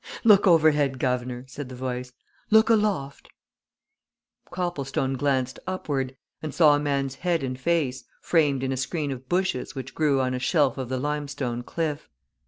"Look overhead, guv'nor," said the voice. "Look aloft!" Copplestone glanced upward, and saw a man's head and face, framed in a screen of bushes which grew on a shelf of the limestone cliff.